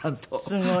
すごい。